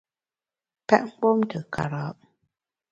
Pèt mgbom te kara’ !